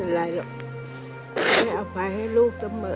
ไม่ได้อภัยให้ลูกเสมอ